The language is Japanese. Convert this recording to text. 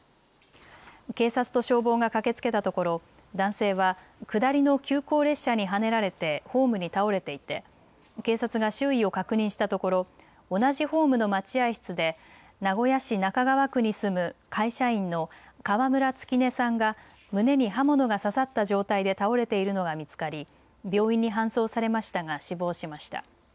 警察と消防が駆けつけたところ男性は下りの急行列車にはねられてホームに倒れていて警察が周囲を確認したところ同じホームの待合室で名古屋市中川区に住む会社員の川村月音さんが胸に刃物が刺さった状態で倒れているのが見つかり病院に搬送されましたが死亡しました。